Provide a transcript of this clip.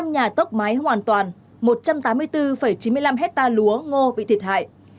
chín mươi năm nhà tốc máy hoàn toàn một trăm tám mươi bốn chín mươi năm hecta lúa ngô bị thiệt hại